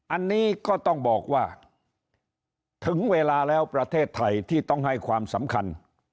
อันนี้ก็ต้องบอกว่าถึงเวลาแล้วประเทศไทยที่ต้องให้ความสำคัญ